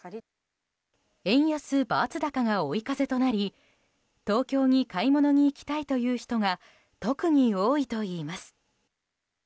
円安バーツ高が追い風となり東京に買い物に行きたいという人が特に多いといいます。